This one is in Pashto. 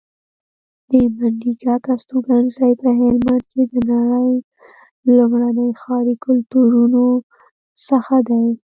د منډیګک استوګنځی په هلمند کې د نړۍ لومړني ښاري کلتورونو څخه دی